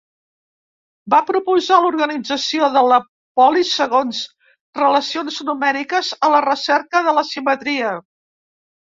Va proposar l'organització de la polis segons relacions numèriques, a la recerca de la simetria.